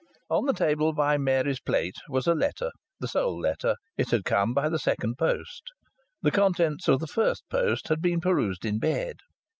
On the table by Mary's plate was a letter, the sole letter. It had come by the second post. The contents of the first post had been perused in bed.